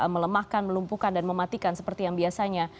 melemahkan melumpuhkan dan mematikan seperti yang biasanya